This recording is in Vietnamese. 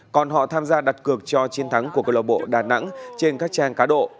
còn họ tham gia đặt cược cho chiến thắng của cơ lộc bộ đà nẵng trên các trang cá độ